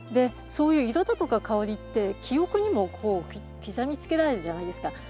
そういう色だとか香りって記憶にも刻みつけられるじゃないですか。